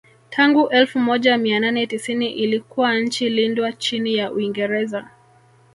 Tangu elfu moja mia nane tisini ilikuwa nchi lindwa chini ya Uingereza